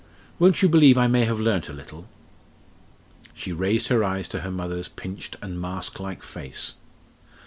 Won't you believe I may have learnt a little?" She raised her eyes to her mother's pinched and mask like face.